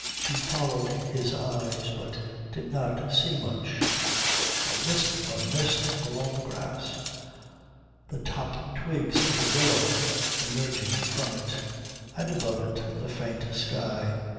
She followed his eyes, but did not see much a wisp of mist along the grass, the top twigs of a willow emerging from it, and above it the faint sky.